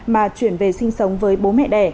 mà chuyển về sinh sống với bố